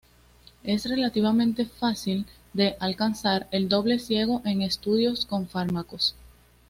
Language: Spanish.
Es relativamente fácil de alcanzar el doble ciego en estudios con fármacos.